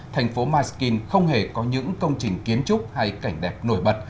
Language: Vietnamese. thành phố myskyn không hề có những công trình kiến trúc hay cảnh đẹp nổi bật